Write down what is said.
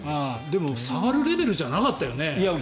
でも触るレベルじゃなかったよね。